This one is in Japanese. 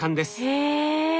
へえ。